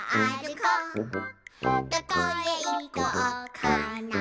「どこへいこうかな」